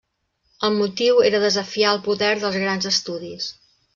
El motiu era desafiar el poder dels grans estudis.